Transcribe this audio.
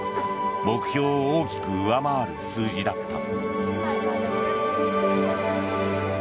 目標を大きく上回る数字だった。